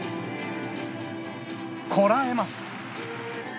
こらえます。